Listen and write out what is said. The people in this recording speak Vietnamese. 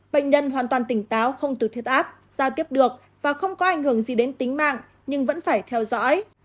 bệnh nhân hoàn toàn tỉnh táo không tự thiết áp giao tiếp được và không có ảnh hưởng gì đến tính mạng nhưng vẫn phải theo dõi